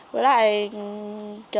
với lại kiểu như thế là